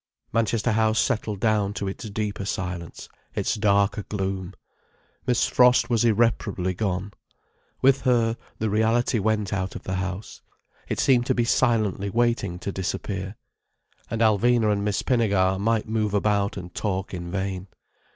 Manchester House settled down to its deeper silence, its darker gloom. Miss Frost was irreparably gone. With her, the reality went out of the house. It seemed to be silently waiting to disappear. And Alvina and Miss Pinnegar might move about and talk in vain.